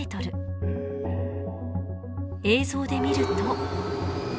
映像で見ると。